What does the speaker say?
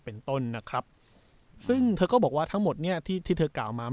เป็นต้นนะครับซึ่งเธอก็บอกว่าทั้งหมดเนี่ยที่ที่เธอกล่าวมา